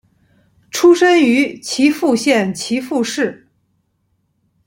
出身于岐阜县岐阜市。